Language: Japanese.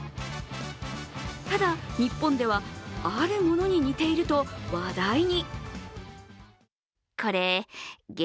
ただ日本ではあるものに似ていると話題に。